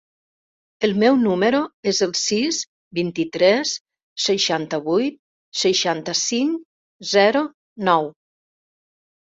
El meu número es el sis, vint-i-tres, seixanta-vuit, seixanta-cinc, zero, nou.